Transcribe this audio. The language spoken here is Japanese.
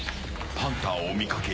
ハンターを見かけ